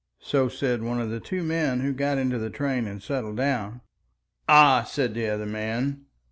So said one of the two men who got into the train and settled down. "Ah!" said the other man.